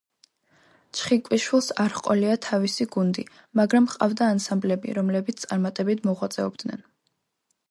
ჩხიკვიშვილს არ ჰყოლია თავისი გუნდი, მაგრამ ჰყავდა ანსამბლები, რომლებიც წარმატებით მოღვაწეობდნენ.